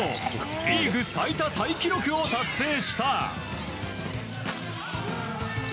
リーグ最多タイ記録を達成した。